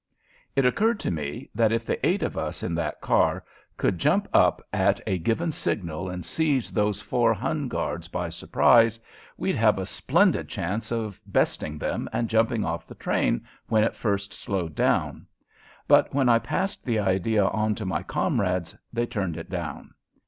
It occurred to me that if the eight of us in that car could jump up at a given signal and seize those four Hun guards by surprise, we'd have a splendid chance of besting them and jumping off the train when it first slowed down, but when I passed the idea on to my comrades they turned it down.